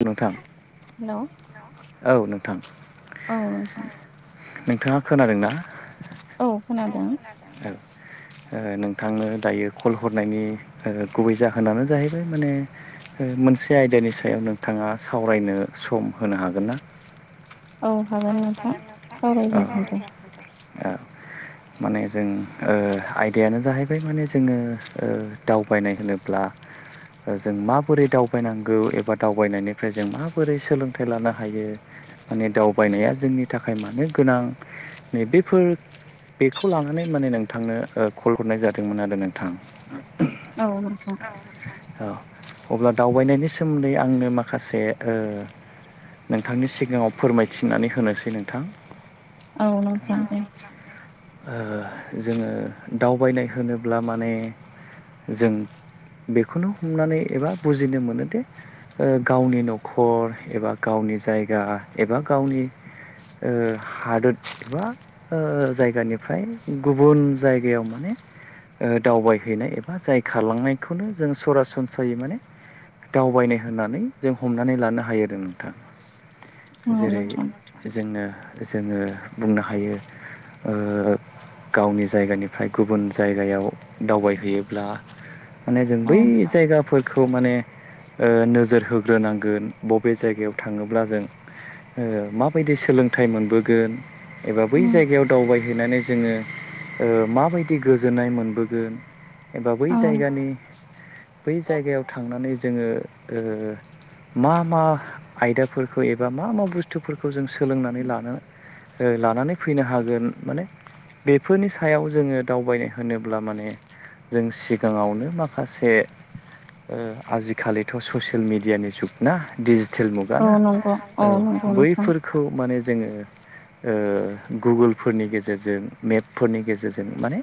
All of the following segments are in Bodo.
औ नोंथां हेलौ औ नोंथां। औ [unintelligible] नोंथाङा खोनादोंना औ खोनादों। ओ नोंथांनो दायो कल हरनायनि गुबै जाहोनानो जाहैबाय माने मोनसे आयदानि सायाव नोंथाङा सावरायनो सम होनो हागोन ना? औ हागोन नोंथां सावराय ओ जागोन दे। ओ माने जों ओ हाइद आदायानो जाहैबाय माने जोङो ओ दावबायनाय होनोब्ला ओ जों माबोरै दावबायनांगौ एबा दावबायनायनिफ्राय जों माबोरै सोलों थाय लानो हायो माने दावबायनाया जोंनि थाखाय मानो गोनां। नै बेफोर बेखौ लानानै माने नोंथांनो कल हरनाय जादोंमोन आरो नोंथां। औ नोंथां औ अब्ला दावबायनायनि सोमोन्दै आंनो माखासे ओ नोंथांनि सिगाङाव फोरमायथिनानै होनोसै नोंथां। औ नोंथां दे। जोङो दावबायनाय होनोब्ला माने जों बेखौनो हमनानै एबा बुजिनो मोनोदि ओ गावनि न'खर एबा गाव नि जायगा एबा गावनि ओ हादोर एबा ओ जायगा जायगानिफ्राय गुबुन जायगायाव माने दावबायहैनाय एबा जाय खारलांनायखौनो जों सरासनस्रायै माने दावबायनाय होननानै जों हमनानै लानो हायो आरो नोंथां। औ जेरै नोंथां जोनो जोङो बुंनो हायो ओ गावनि जायगानिफ्राय गुबुन जायगायाव दावबायहैयोब्ला माने जों औ बै जायगाफोर खौ माने ओ नोजोर होग्रोनांगोन बबे जायगायाव थाङोब्ला जों ओ माबायदि सोलोंथाइ मोनबोगोन। एबा बै जायगायाव दावबायहैनानै जोङो ओ माबायदि गोजोननाय मोन बोगोन एबा बै औ जायगानि बै जायगायाव थांनानै जोङो ओ मा मा आयदाफोरखौ एबा मा मा बुस्थुफोर खौ जों सोलोंनानै लानो ओ लानानै फैनो हागोन माने बेफोरनि सायाव जोङो दावबायनाय होनोब्ला माने जों सिगाङावनो माखासे ओ आजिखालिथ' ससियेल मिेडियानि जुग ना डजि तेल मुगा औ ना नंगौ औ नंगौ नोंथां बैफोरखौ माने जोङो ओ गुगोल फोरनि गेजेरजों मेपफोरनि गेजेरजों माने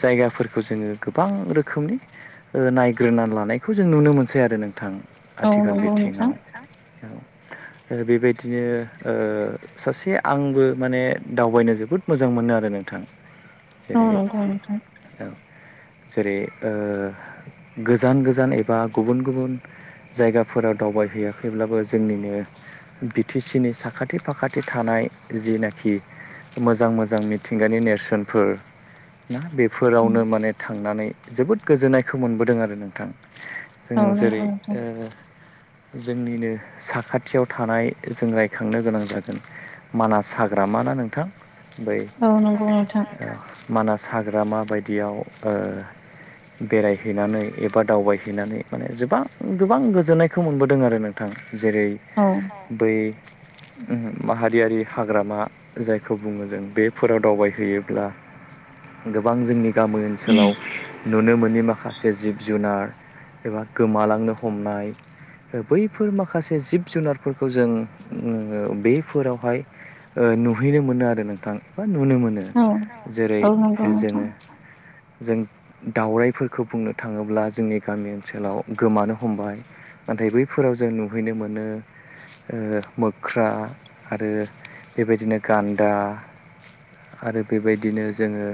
जायगाफोरखौ जोङो गोबां रोखोमनि ओ नायग्रोनानै लानायखौ जों नुनो मोनसै आरो नोंथां। औ आथिखाल नंगौ नोंथां बिथिङाव बेबायदिनो ओ सासे आंबो माने दावबायनो जोब जोबोद मोजां मोनो आरो नोंथां औ जेरै नंगौ नोंथां जेरै ओ गोजान गोजान एबा गुबुन गुबुन जायगाफोराव दावबायहैयाखैब्लाबो जोंनिनो बि टि सि नि साखाथि फाखाथि थानाय जिनाखि मोजां मोजां मिथिंगानि नेरसोनफोर ना बेफोरावनो माने थांनानै जोबोद गोजोननायखौ मोनबोदों आरो नोंथां औ जों जेरै नंगौ नोंथां जोंनिनो साखाथि खाथियाव थानाय जों रायखांनो गोनां जागोन मानास हाग्राम ना नोंथां बै औ नंगौ नोंथां मानास हाग्र माबायदियाव बेरायहैनानै एबा दावबायहैनानै माने गोबां गोबां गोजोननायखौ मोनबोदों आरो नोंथां जेरै औ बै माहारियारि हाग्रामा जाय खौ बुङो जों बेफोराव दावबायहैयोब्ला गोबां जोंनि गामि ओनसोलाव नुनो मोनोनि माखासे जिब जुनार एबा गोमालांनो हमनाय बैफोर माखासे जिब जुनारफोरखौ जों बेफोरावहाय नुहैनो मोनो आरो नोंथां नुनो मोनो औ जेरै औ नंगौ नोंथां जोङो जों दाावरायाइफोरखौ बुंनो थाङोब्ला जोंनि गामि ओनसोलाव गोमानो हमबाय नाथाय बैफोराव जों नुहैनो मोनो मोख्रा आरो बेबायदिनो गान्दा आरो बेबायदिनो जोङो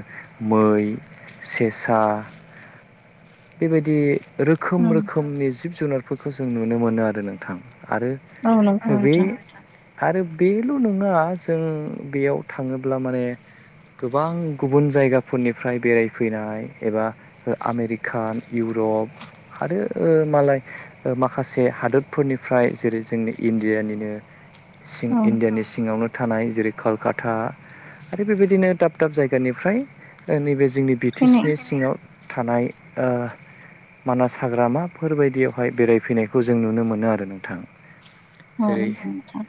मै सेसा बेबायदि रोखोम औ रोखोमनि जिब जुनारफोरखौ जों नुनो मोनो आरो नोंथां आरो औ नंगौ बे नोंथां आरो बेल' नङा जों बेयाव थाङोब्ला माने गोबां गुबुन जायगाफोरनिफ्राय बेरायफैनाय एबा आमेरिकान इउरप जग आरो मालाय माखासे हादोरफोरनिफ्राय जेरै जोंनि इण्डियानिनो सिं औ इण्डियानि सिङावनो थानाय जेरै कलकाता आरो बेबायदिनो दाब दाब जायगानिफ्राय नैबे जोंनि बिटि सि फैनाय नि सिङाव थानाय मानास हाग्रामाफोरबायायदियावहाय बेरायफैनायखौ जों नुनो मोनो आरो नोंथां औ जेरै नंगौ नोंथां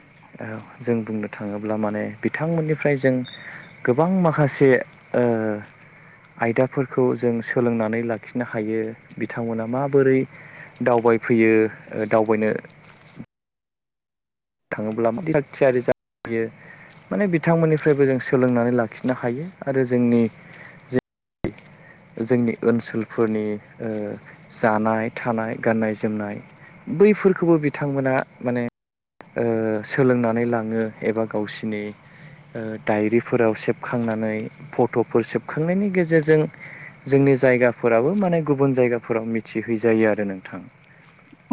जों बुंनो थाङोब्ला माने बिथांमोननिफ्राय जों गोबां माखासे आयदाफोरखौ जों सोलोंनानै लाखिनो हायो बिथांमोना माबोरै दावबायफैयो दावबायनो थाङोब्ला म थाग थियारि जायो माने बिथांमोननिफ्रायबो जों सोलोंनानै लाखिनो हायो आरो जोंनि जे जोंनि ओनसोलफोरनि जानाय थानाय गाननाय जोमनाय बैफोरखौबो बिथांमोना माने सोलोंनानै लाङो एबा गावसिनि डायरिफोराव सेबखांनानै फट'फोर सेबखांनायनि गेजेरजों जोंनि जायगाफोराबो माने गुबुन जायगाफोराव मिथिहैजायो आरो नोंथां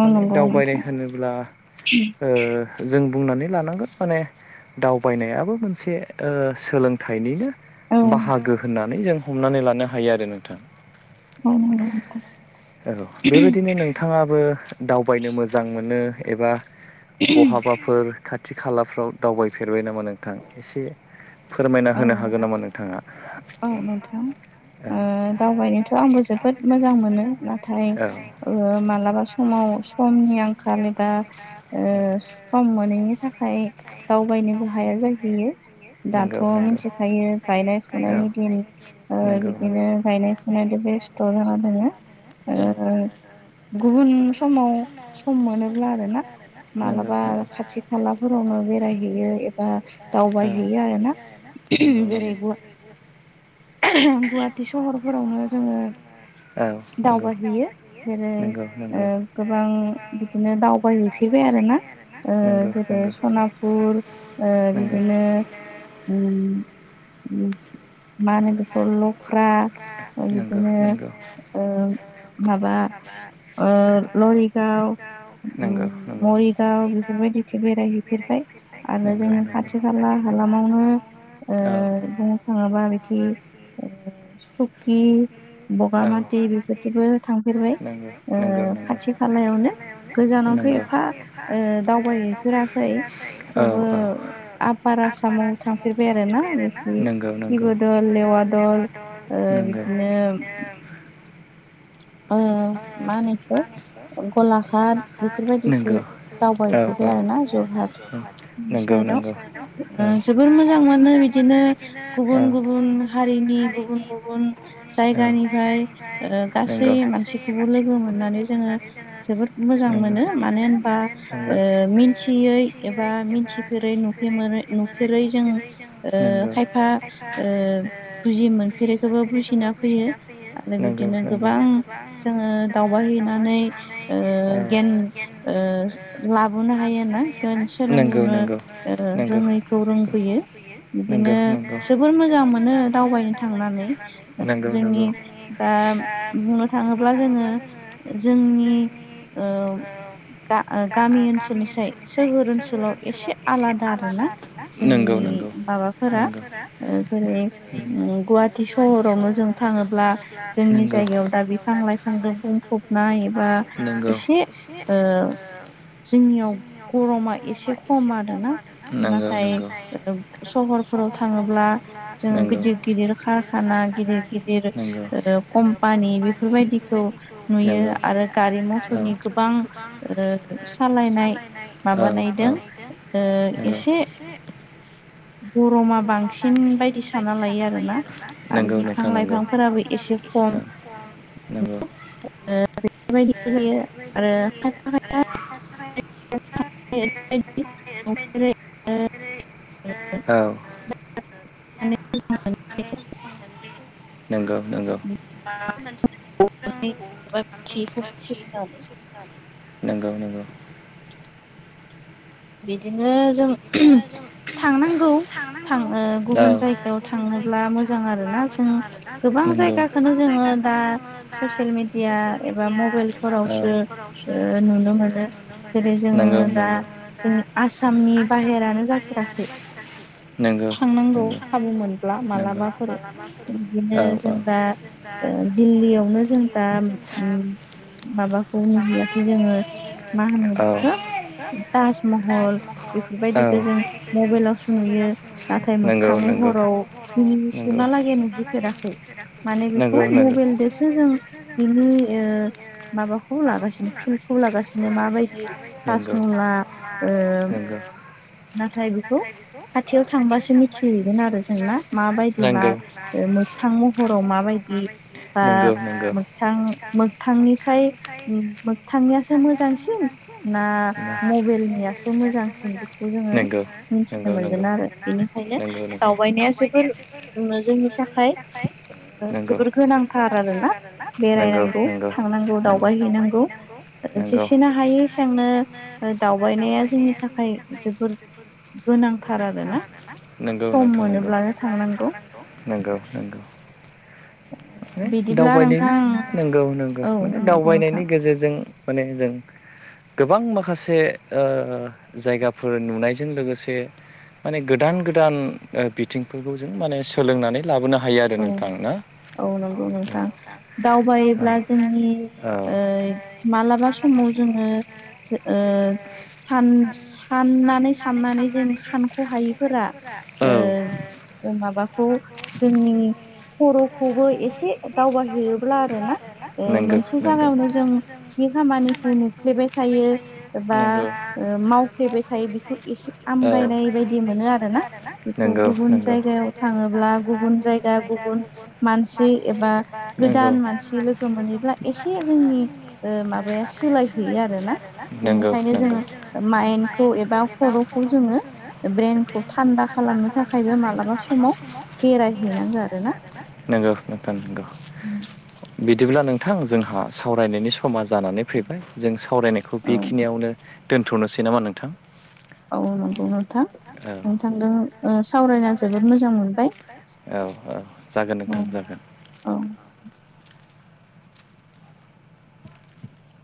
औ माने नंगौ दावबायनाय नोंथां होनोब्ला ओ जों बुंनानै लानांगोन माने दावबायनायाबो मोनसे सोलोंथाइनिनो औ बाहागो होननानै जों हमनानै लानो हायो आरो नोंथां औ नंगौ नोंथां औ बेबायदिनो नोंथाङा बो दावबायनो मोजां मोनो एबा बहाबाफोर खाथि खालाफ्राव दावबायफेरबाय नामा नोंथां एसे फोरमायना औ होनो हागोन नामा नोंथां औ नोंथां औ ओ दावबायनोथ' आंबो जोबोद मोजां मोनो नाथाय औ मालाबा समाव समनि आंखाल आंखाल एबा ओ सम मोनैनि थाखाय दावबायनोबो हाया जाहैयो। दाथ' नंगौ नंगौ मिथिखायो गायनाय फुनायनि औ दिन। ओ नंगौ नंगौ बिदिनो गायनाय फुनायजों बेस्थ' जाना दोङो। औ ओ गुबुन समाव सम मोनोब्ला आरो ना। नंगौ मालाबा खाथि खालाफोरावनो बेरायहैयो एबा दावबायहैयो आरो ना। जेरै गुवा गुवाहाटि सहरफोरावनो जोंङो दावबायहैयो जेरै नंगौ औ गोबां बिदिनो दावबायहै आरो ना ओ नंगौ नंगौ जेरै औ सनापुर बिदिनो ओम ओम मा होनो बेफोरनो लख्रा नंगौ बिदिनो नंगौ नंगौ ओ माबा ओ लरिगाव नंगौ नंगौ मरिगाव बेफोरबायदिथि बेरायहैफेर ओमफ्राय आरो नंगौ जोंनि नंगौ खाथि खाला हालामावनो औ ओ बुंनो थाङोबा बिदि ओ [inaudible] सुकि बगामाथि बेफोरदिबो थांफेरबाय नंगौ ओ नंगौ नंगौ खाथि खालायावनो। गोजानावथ' नंगौ एफा ओ दावबायहैफेराखै औ थेवबो आपार आसाम थांफेरबाय आरोना बिदि सिब'दल लेवा दल नोंगो बिदिनो ओ मा होनो बेखो गलाघाट बेफोरबायदिथि नंगौ औ दावबायफेर औ आरोना जरहाट औ नंगौ साइताव नंगौ ओ औ जोबोर मोजां मोनो बिदिनो औ गुबुन गुबुन हारिनि गुबुन गुबुन औ जायगानिफ्राय ओ गासै नंगौ मानसिखौबो लोगो मोननानै जोंङो जोबोद मोजां मोनो मानो होनबा ओ मिन्थियै एबा मिथिफेरै नुफेरै नुफेरै जों ओ नंगौ नंगौ खायफा ओ बुजि मोनफेरैखौबो बुजिना फैयो आरो नंगौ बिदिनो नंगौ नंगौ गोबां जोंङो दावबाय हैैनानै ओ औ गियान ओ लाबोनो हायोआरोना नंगौ सोलोंबोनो नंगौ रोङैखौ रोंबोयो। बिदिनो नंगौ नंगौ जोबोर मोजां मोनो दावबायनो थांनानै नंगौ जोंनि दा बुंनो थाङोब्ला जोंङो जोंनि गामि ओनसोलनि साय सोहोर ओनसोलाव एसे आलादा आरोना नंगौ नंगौ जोंनि माबाफोरा ना ओ जेरै गुवाहाटि सहरावनो जों थाङोब्ला नंगौ जोंनि नंगौ जायगायाव दा बिफां लाइफांजों बुंफबनाय बा एसे ओ जोंनियाव गरमा एसे खम आरोना नाथाय सहरफोराव सबारफोराव थाङोब्ला जों गिदिर-गिदिर खारखाना गिदिर-गिदिर ओ कम पानि बेफोरबायदिखौ नुयो आरो गारि मथरनि गोबां ओ सालायनाय माबानायदों ओ एसे गरमा बांसिन बायदिस साना लायो आरोना आरो बिफां लाइफांफोराबो एसे खम। नंगौ बेबायदि [unintelligible] खायफा [unintelligible] [unintelligible] नंगौ-नंगौ एबा मिथियैखौ मिथिबोनानै [unintelligible] नंगौ-नंगौ बिदिनो जों बिदिनो जों थांनांगौ थां थांनांगौ ओ गुबुन ओ जायगायाव गुबुन थांनोब्ला जायगायाव मोजां थांङोब्ला आरोना जों मोजां आरोना गोबां जों जायगाखौनो गोबां जोङो दा जायगाखौनो जोङो दा ससियेल मिडिया ससियेल एबा मिडिया एबा मबाइलफोरावसो ओ मबेलफोरावसो नुनो मोनो नुनो जेरै ओ जोङो दा नुनोमोनो दा जोंनि आसामनि जों बाहेरानो आसामनि जाफेराखै बेहेरानो नगौ थांनांगौ खाबु मालाबाफोर मोनब्ला औ-औ मालाबाफोर जों बिदिनो जों दा ओ दिल्लीयावनो जों दा माबाखौ नुहैयाखै जोङो मा होनो बिखो ताजमहल बेफोरबायदिखौ जों मबाइलावसो नुयो नाथाय नुयो मोगथा मोगथां महराव एसे मालागै नुहैफेराखै माने बेखौ मबाइलदोसो जों बिनि ओ माबाखौ लागासिनो फिल खौ लागासिनो माबायदि थासमहला [unintelligible] नाथाय बेखौ खाथियाव ओ थांबासो मिथिहैगोन आरो जोंना माबायदि मा ओ मोथां महराव माबायदि दि बा नोंगौ नोंगौ मोबथां-मोबथांनिसाय-मोगथांनियासो मो जां सिन ना मबाइल नियासो मोजांसिन बेखौ जोङो मिथिनो नोंगौ नोंगौ मोनगोन आरो बेनिखायनो नोंगौ नोंगौ दावबायनाया जोबोर जोंनि थाखाय ओ नोंगौ जोबोर गोनांथार आरोना बेरायनांगौ थांनांगौ दावबाय हैैनांगौ नोंगौ जेसेनो हायो एसांनो दावबायनाया जोंनि थाखाय जोबोर गोनांथार आरोना नोंगौ सम नोंथां नोंगौ सम मोनोब्लानो मोनोब्ला थांनांगौ बिदिब्ला दावबायनो‌ नोंथां थांनांगौ नंगौ-नंगौ माने दावबायनायनि नंगौ-नंगौ औ माने नंगौ नोंथां दावबायनायनि गेजेरजों माने जों गोबां माखासे ओ जायगाफोर नुनायजों लोगोसे माने गोदान-गोदान ओ बिथिंफोरखौ जों माने सोलोंनानै लाबोनो हायो आरो औ नोंथां ना। औ नंगौ नोंथां दावबायोब्ला जोंनि ओ मालाबा सम समाव जोङो सो ओ सान साननानै-साननानै जों सानख'हायैफोरा ओ एबा ओ माबाखौ जोंनि खर'खौबो एसे दावबाय हैैयोब्ला आरो ना आं मोनो आरोना मोनसे जागायावनो जों खामनिखौ नुलेबाय थायो बा ओ मावफ्लेबाय थायो बेखौ एसे आमगायनाय बायदि मोनो आरोना बेखौ गुबुन जायगायाव जगायाव थाङोब्ला थाङो गुबुन जायगा गुबुन मानसि एबा मोजां मानसि गोदान मानसि लोगो मोनैब्ला एसे जोंनि ओ माबाया सोलायहैयो आरोना नोंगौ बेनिखायनो नोंगौ जोङो माइन्खौ एबा खर'खौ जोङो ब्रेनखौ थान्दा खालामनो थाखायबो मालाबा समाव बेरायहैनांगो आरोना नंगौ नोंथां नंगौ बि बिदिब्ला नोंथां जोंहा सावरायनायनि समा जानानै फैबाय जों सावरायनायखौ औ बेखिनियावनो दोन्थ'नोसै नामा नोंथां औ नंगौ नोंथां औ नोंथांजों सावरायना जोबोद मोजां मोनबाय। औ औ जागोन नोंथां जागोन। औ